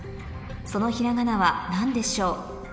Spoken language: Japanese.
そのひらがなは何でしょう？